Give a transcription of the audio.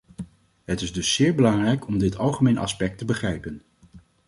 Het is dus zeer belangrijk om dit algemene aspect te begrijpen.